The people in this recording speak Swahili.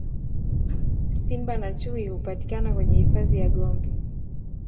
simba na chui hawapatikani kwenye hifadhi ya gombe